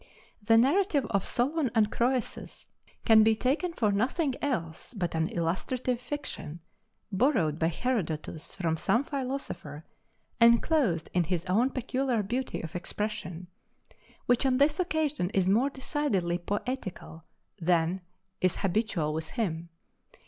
The narrative of Solon and Croesus can be taken for nothing else but an illustrative fiction, borrowed by Herodotus from some philosopher, and clothed in his own peculiar beauty of expression, which on this occasion is more decidedly poetical than is habitual with him.